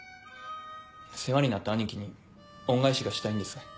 世話になった兄貴に恩返しがしたいんです。